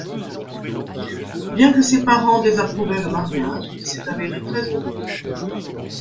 Bien que ses parents désapprouvaient le mariage, il s'est avéré très heureux.